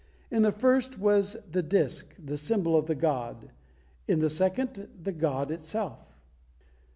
In the first was the disk, the symbol of the god; in the second, the god itself.